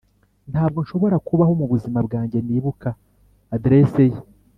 ntabwo nshobora kubaho mubuzima bwanjye nibuka adresse ye.